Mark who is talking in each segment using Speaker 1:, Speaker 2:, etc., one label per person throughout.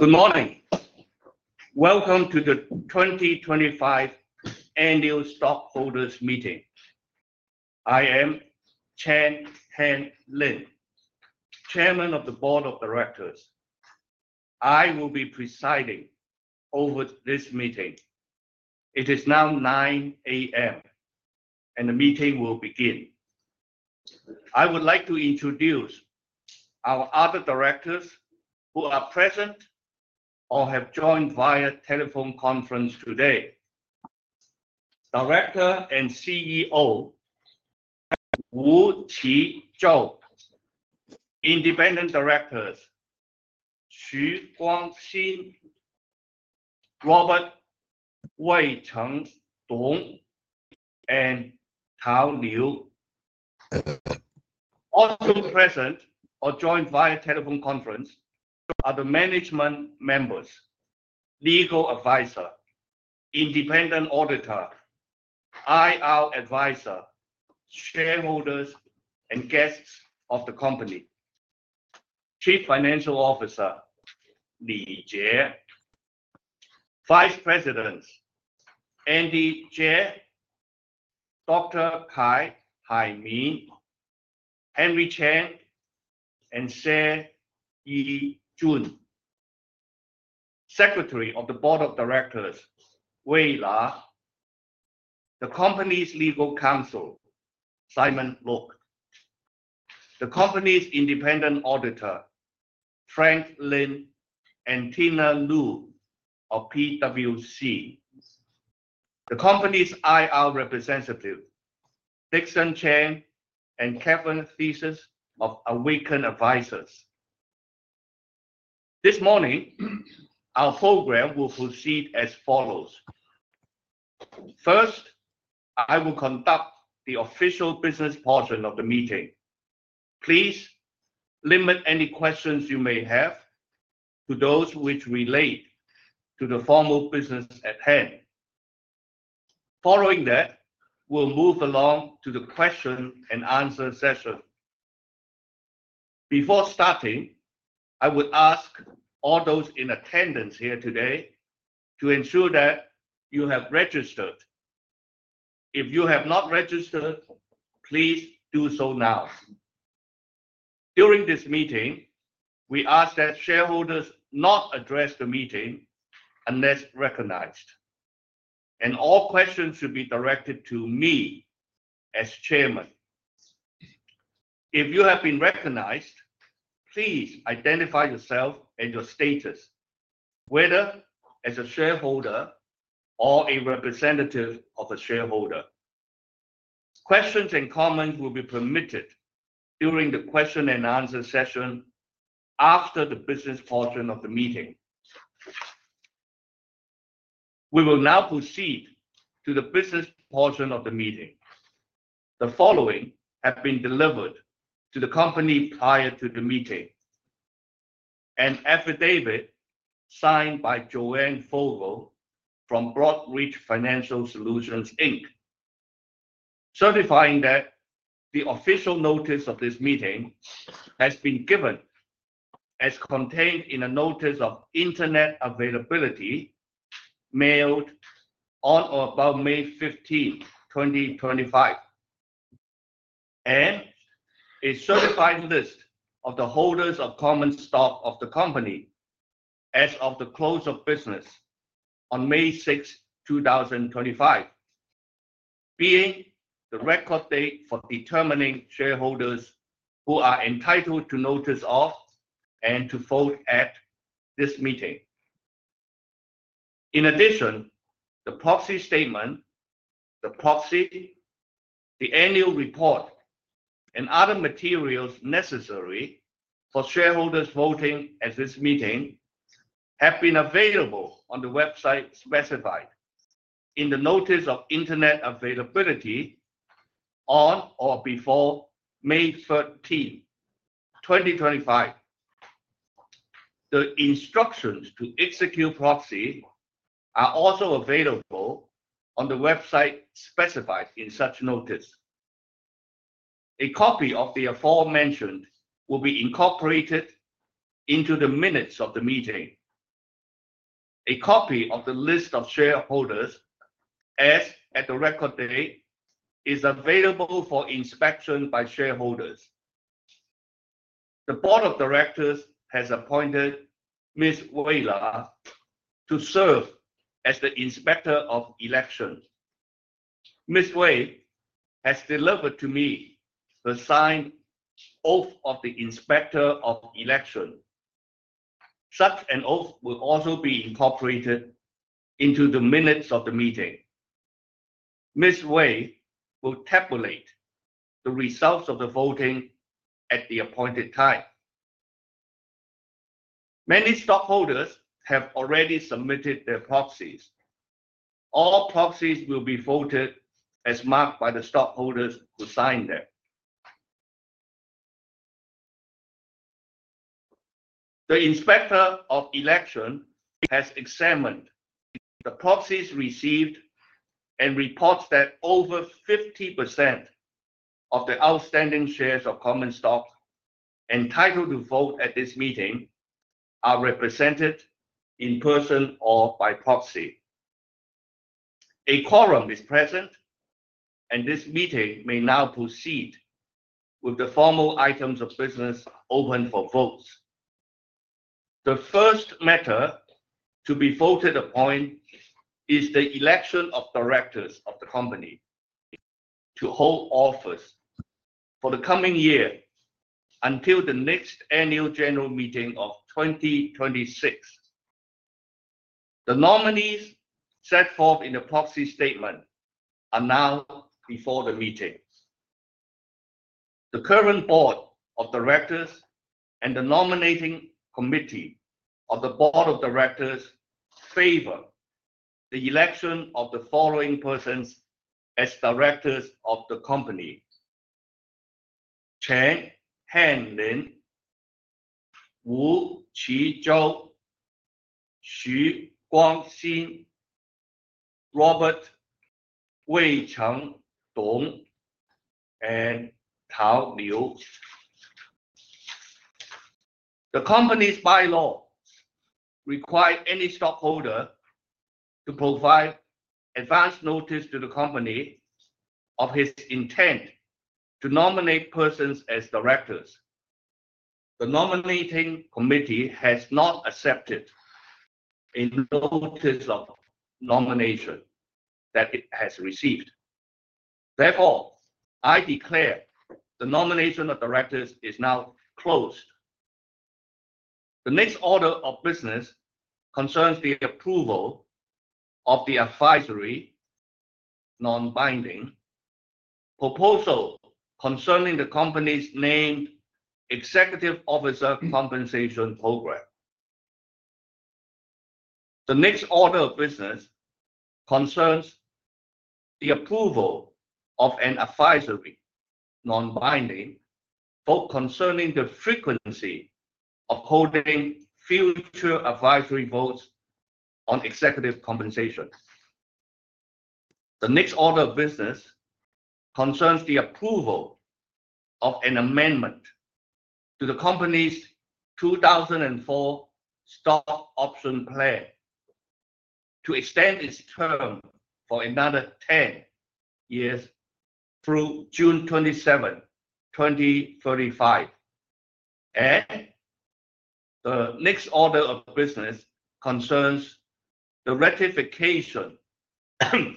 Speaker 1: Good morning. Welcome to the 2025 Annual Stockholders Meeting. I am Chen Hanlin, Chairman of the Board of Directors. I will be presiding over this meeting. It is now 9:00 A.M., and the meeting will begin. I would like to introduce our other directors who are present or have joined via telephone conference today: Director and CEO Wu Qizhou, Independent Directors Xu Guangxin, Robert Weicheng Dong, and Tao Liu. Also present or joined via telephone conference are the management members, legal advisor, independent auditor, IR advisor, shareholders, and guests of the company: Chief Financial Officer Li Jie, Vice Presidents Andy Jie, Dr. Kai Haimin, Henry Chen, and Xie Yijun, Secretary of the Board of Directors Wei La, the company's legal counsel Simon Luke, the company's independent auditor Frank Lin and Tina Lu of PwC, the company's IR representative Dixon Chen and Kevin Theisis of Awaken Advisors. This morning, our program will proceed as follows. First, I will conduct the official business portion of the meeting. Please limit any questions you may have to those which relate to the formal business at hand. Following that, we'll move along to the question-and-answer session. Before starting, I would ask all those in attendance here today to ensure that you have registered. If you have not registered, please do so now. During this meeting, we ask that shareholders not address the meeting unless recognized, and all questions should be directed to me as Chairman. If you have been recognized, please identify yourself and your status, whether as a shareholder or a representative of a shareholder. Questions and comments will be permitted during the question-and-answer session after the business portion of the meeting. We will now proceed to the business portion of the meeting. The following have been delivered to the company prior to the meeting: an affidavit signed by Joanne Fogel from Broadreach Financial Solutions Inc., certifying that the official notice of this meeting has been given as contained in a notice of internet availability mailed on or about May 15, 2025, and a certified list of the holders of common stock of the company as of the close of business on May 6, 2025, being the record date for determining shareholders who are entitled to notice of and to vote at this meeting. In addition, the proxy statement, the proxy, the annual report, and other materials necessary for shareholders voting at this meeting have been available on the website specified in the notice of internet availability on or before May 13, 2025. The instructions to execute proxy are also available on the website specified in such notice. A copy of the aforementioned will be incorporated into the minutes of the meeting. A copy of the list of shareholders as at the record date is available for inspection by shareholders. The Board of Directors has appointed Ms. Wei La to serve as the inspector of election. Ms. Wei has delivered to me her signed oath of the inspector of election. Such an oath will also be incorporated into the minutes of the meeting. Ms. Wei will tabulate the results of the voting at the appointed time. Many stockholders have already submitted their proxies. All proxies will be voted as marked by the stockholders who signed them. The inspector of election has examined the proxies received and reports that over 50% of the outstanding shares of common stock entitled to vote at this meeting are represented in person or by proxy. A quorum is present, and this meeting may now proceed with the formal items of business open for votes. The first matter to be voted upon is the election of directors of the company to hold office for the coming year until the next annual general meeting of 2026. The nominees set forth in the proxy statement are now before the meeting. The current Board of Directors and the nominating committee of the Board of Directors favor the election of the following persons as directors of the company: Chen Hanlin, Wu Qizhou, Xu Guangxin, Robert Weicheng Dong, and Tao Liu. The company's Bylaws require any stockholder to provide advance notice to the company of his intent to nominate persons as directors. The nominating committee has not accepted a notice of nomination that it has received. Therefore, I declare the nomination of directors is now closed. The next order of business concerns the approval of the advisory non-binding proposal concerning the company's named Executive Officer Compensation Program. The next order of business concerns the approval of an advisory non-binding vote concerning the frequency of holding future advisory votes on executive compensation. The next order of business concerns the approval of an amendment to the company's 2004 stock option plan to extend its term for another 10 years through June 27, 2035. The next order of business concerns the ratification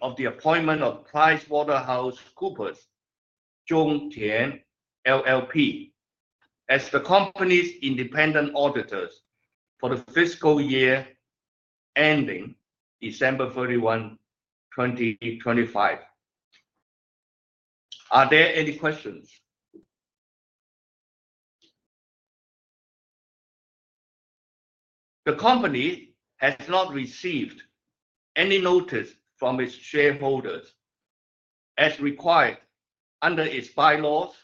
Speaker 1: of the appointment of PricewaterhouseCoopers Chungtian LLP as the company's independent auditors for the fiscal year ending December 31, 2025. Are there any questions? The company has not received any notice from its shareholders as required under its bylaws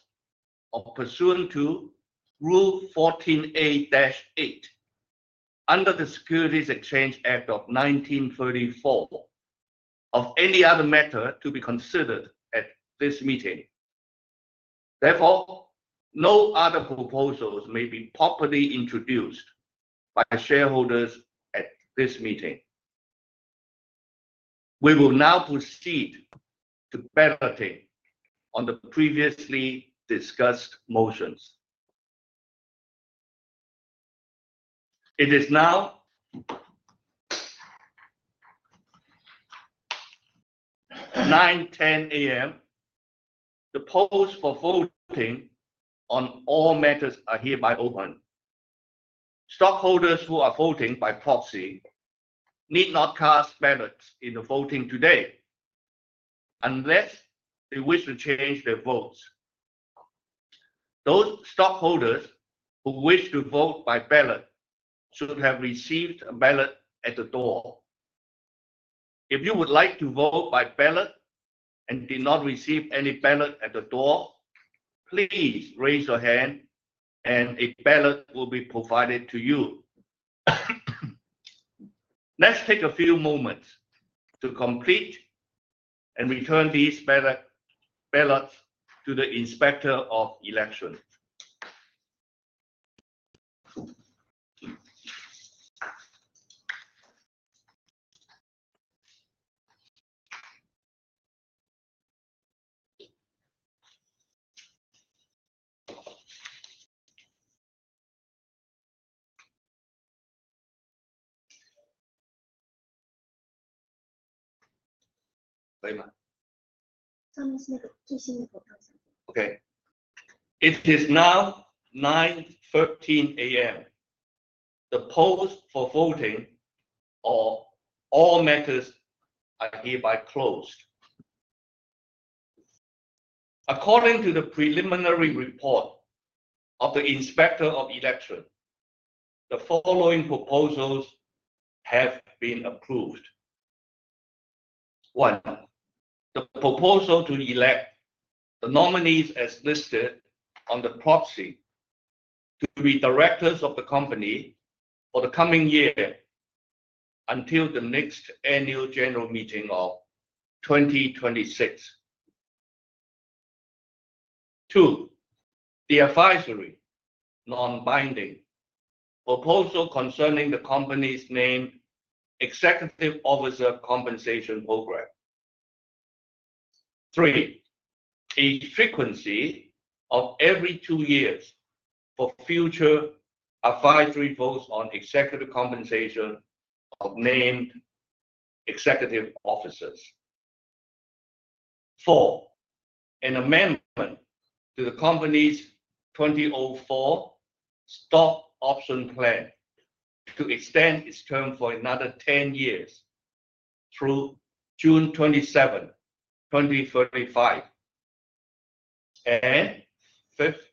Speaker 1: or pursuant to Rule 14A-8 under the Securities Exchange Act of 1934 of any other matter to be considered at this meeting. Therefore, no other proposals may be properly introduced by shareholders at this meeting. We will now proceed to barring on the previously discussed motions. It is now 9:10 A.M. The polls for voting on all matters are hereby open. Stockholders who are voting by proxy need not cast ballots in the voting today unless they wish to change their votes. Those stockholders who wish to vote by ballot should have received a ballot at the door. If you would like to vote by ballot and did not receive any ballot at the door, please raise your hand, and a ballot will be provided to you. Let's take a few moments to complete and return these ballots to the inspector of election. Okay. It is now 9:13 A.M. The polls for voting on all matters are hereby closed. According to the preliminary report of the inspector of election, the following proposals have been approved: one, the proposal to elect the nominees as listed on the proxy to be directors of the company for the coming year until the next annual general meeting of 2026. Two, the advisory non-binding proposal concerning the company's named Executive Officer Compensation Program. Three, a frequency of every two years for future advisory votes on executive compensation of named executive officers. Four, an amendment to the company's 2004 stock option plan to extend its term for another 10 years through June 27, 2035. And fifth,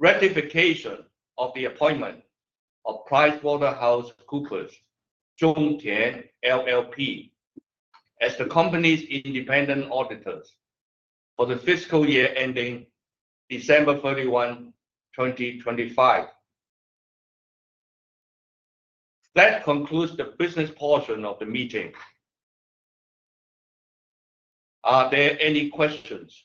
Speaker 1: ratification of the appointment of PricewaterhouseCoopers Chungtian LLP as the company's independent auditors for the fiscal year ending December 31, 2025. That concludes the business portion of the meeting. Are there any questions?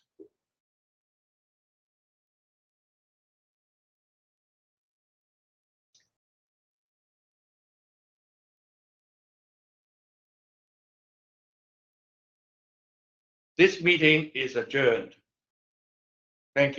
Speaker 1: This meeting is adjourned. Thank you.